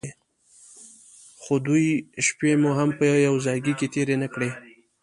خو دوې شپې مو هم په يوه ځايگي کښې تېرې نه کړې.